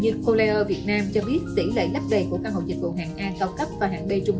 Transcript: truyền hình collier việt nam cho biết tỷ lệ lắp đầy của căn hộ dịch vụ hạng a cao cấp và hạng b trung